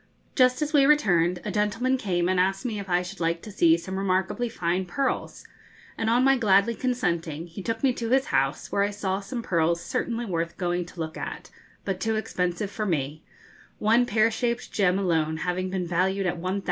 Just as we returned, a gentleman came and asked me if I should like to see some remarkably fine pearls, and on my gladly consenting, he took me to his house, where I saw some pearls certainly worth going to look at, but too expensive for me, one pear shaped gem alone having been valued at 1,000_l_.